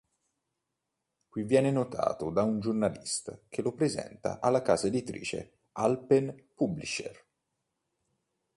Qui viene notato da un giornalista che lo presenta alla casa editrice "Alpen Publisher".